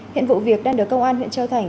hiện vụ việc đang được công an huyện châu thành